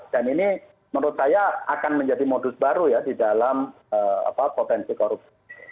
dan ini menurut saya akan menjadi modus baru ya di dalam potensi korupsi